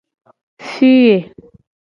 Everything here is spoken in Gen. Fiye.